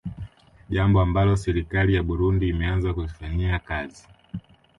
Jambo ambalo serikali ya Buirundi imeanza kulifanyika kazi